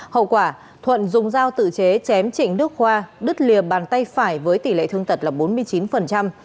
hậu quả thuận dùng dao tự chế chém trịnh nước hoa đứt liềm bàn tay phải với tỷ lệ thương tật là bốn mươi chín